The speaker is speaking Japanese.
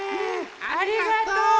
ありがとう。